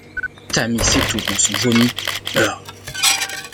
Tammy s'étouffe dans son vomi et meurt.